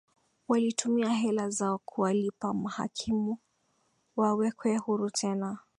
Walitumia hela zao kuwalipa mahakimu wawekwe huru tena